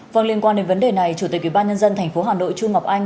vâng liên quan đến vấn đề này chủ tịch ủy ban nhân dân tp hà nội chu ngọc anh